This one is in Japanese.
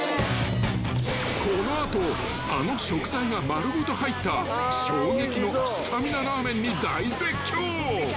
［この後あの食材が丸ごと入った衝撃のスタミナラーメンに大絶叫］